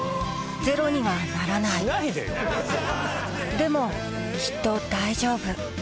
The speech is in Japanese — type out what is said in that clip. でもきっと大丈夫